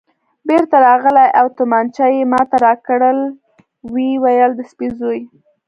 بېرته راغلی او تومانچه یې ما ته راکړل، ویې ویل: د سپي زوی.